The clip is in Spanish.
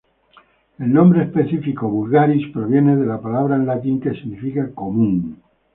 El nombre específico "vulgaris" proviene de la palabra en latín que significa 'común'.